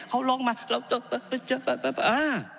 เขาลองมาเรา